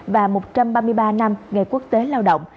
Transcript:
và một trăm ba mươi ba năm ngày quốc tế lao động